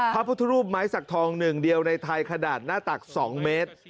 พระพุทธรูปไม้สักทองหนึ่งเดียวในไทยขนาดหน้าตัก๒เมตร